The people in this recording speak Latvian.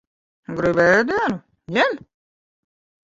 Gribi ēdienu? Ņem.